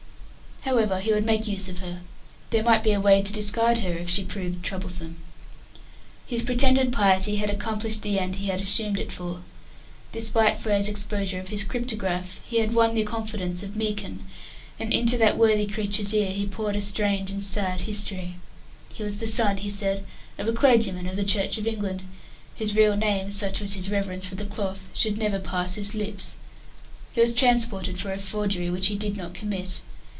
However, he would make use of her. There might be a way to discard her if she proved troublesome. His pretended piety had accomplished the end he had assumed it for. Despite Frere's exposure of his cryptograph, he had won the confidence of Meekin; and into that worthy creature's ear he poured a strange and sad story. He was the son, he said, of a clergyman of the Church of England, whose real name, such was his reverence for the cloth, should never pass his lips. He was transported for a forgery which he did not commit.